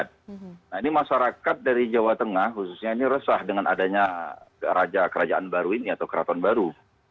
nah ini masyarakat dari jawa tengah khususnya ini resah dengan adanya raja kerajaan baru ini atau keraton baru